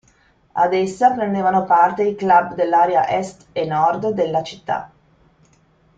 Ad essa prendevano parte i club dell'area Est e Nord della città.